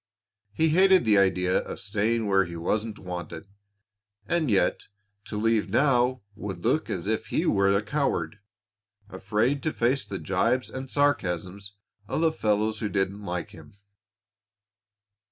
He hated the idea of staying where he wasn't wanted, and yet to leave now would look as if he were a coward, afraid to face the jibes and sarcasms of the fellows who didn't like him.